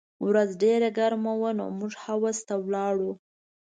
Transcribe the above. ورځ ډېره ګرمه وه نو موږ حوض ته لاړو